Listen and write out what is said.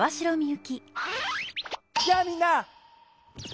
やあみんな！